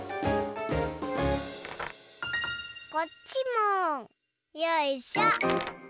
こっちもよいしょ。